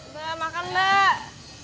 mbak makan mbak